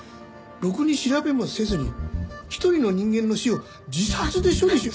ろくに調べもせずに一人の人間の死を自殺で処理しろと。